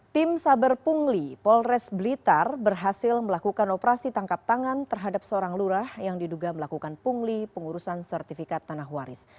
tim saber pungli polres blitar berhasil melakukan operasi tangkap tangan terhadap seorang lurah yang diduga melakukan pungli pengurusan sertifikat tanah waris